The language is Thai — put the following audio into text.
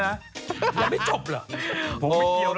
แล้วไม่จบเหรอ